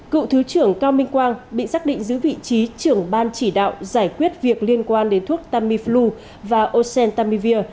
cựu thứ trưởng cao minh quang bị xác định giữ vị trí trưởng ban chỉ đạo giải quyết việc liên quan đến thuốc tamiflu và ocentamivir